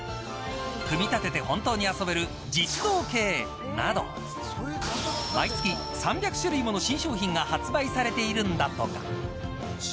組み立てて本当に遊べる実動系など毎月、３００種類もの新商品が発売されているんだとか。